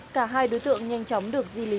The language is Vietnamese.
cả hai đối tượng nhanh chóng được di lý